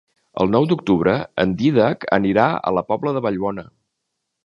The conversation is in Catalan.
El nou d'octubre en Dídac anirà a la Pobla de Vallbona.